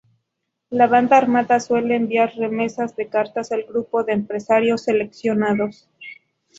La banda armada suele enviar remesas de cartas al grupo de empresarios seleccionados.